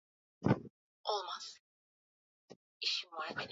milioni mmoja zilitolewa kwa makampuni hayo Jumatatu kulipa sehemu ya deni hilo